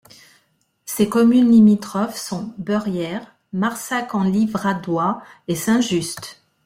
Ses communes limitrophes sont Beurières, Marsac-en-Livradois et Saint-Just.